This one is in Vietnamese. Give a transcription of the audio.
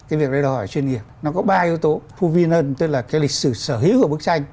cái việc đó là hỏi chuyên nghiệp nó có ba yếu tố phu vi nâng tức là cái lịch sử sở hữu của bức tranh